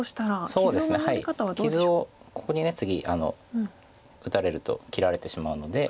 傷をここに次打たれると切られてしまうので。